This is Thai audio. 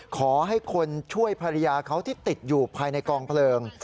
ขอให้คนช่วยภรรยาเขาที่ติดอยู่ภายในกองเพลิง